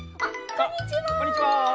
こんにちは！